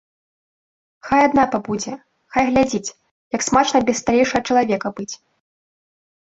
Хай адна пабудзе, хай глядзіць, як смачна без сталейшага чалавека быць.